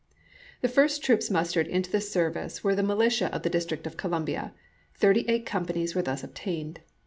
The first troops mustered into the service were the militia of the District of Columbia; thirty eight companies were thus obtained.